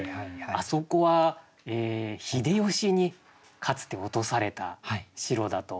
あそこは秀吉にかつて落とされた城だと。